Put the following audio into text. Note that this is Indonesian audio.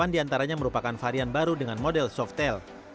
delapan diantaranya merupakan varian baru dengan model soft tale